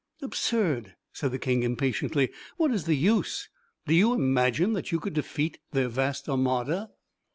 "Absurd!" said the King, impatiently. "What is the use? Do you imagine that you could defeat their vast armada?"